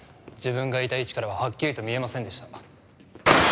自分がいた位置からははっきりと見えませんでした。